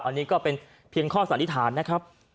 อันนี้ก็เป็นเพียงข้อสันนิษฐานนะครับ